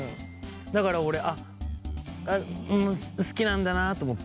だから俺好きなんだなと思って。